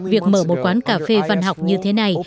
việc mở một quán cà phê văn học như thế này